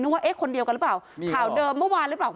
ว่าเอ๊ะคนเดียวกันหรือเปล่าข่าวเดิมเมื่อวานหรือเปล่า